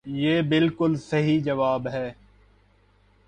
یہ بلکل صحیح جواب ہے۔